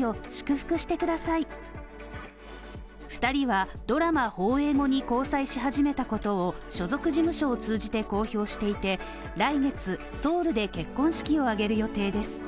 ２人はドラマ放映後に交際し始めたことを所属事務所を通じて公表していて来月、ソウルで結婚式を挙げる予定です。